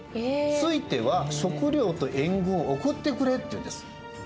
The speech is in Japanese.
ついては食料と援軍を送ってくれって言うんです。